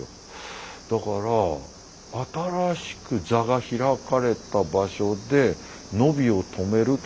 だから新しく座が開かれた場所で野火を止めると。